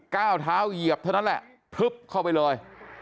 ก้าวเท้าเหยียบเท่านั้นแหละพลึบเข้าไปเลย